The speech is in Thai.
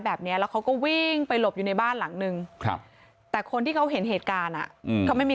แบบนี้แล้วเขาก็วิ่งไปหลบอยู่ในบ้านหลังนึงแต่คนที่เขาเห็นเหตุการณ์เขาไม่มี